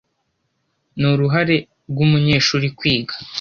Ni uruhare rwumunyeshuri kwiga.